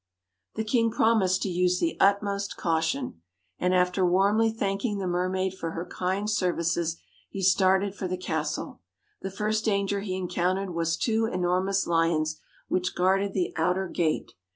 The king promised to use the utmost caution; and after warmly thanking the mermaid for her kind services, he started for the castle. The first danger he encountered was two enormous lions, which guarded the outer gate.